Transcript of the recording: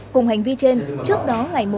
cùng hành vi trên trước đó ngày một